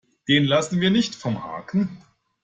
Den lassen wir nicht vom Haken.